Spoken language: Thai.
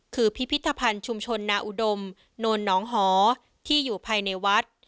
คือพิพิธภัณฑ์ชุมชนนาอุดมโนนหนองหอที่อยู่ภายในวัด